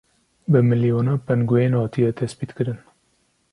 Bi milyona pengûen hatiye tespîtkirin.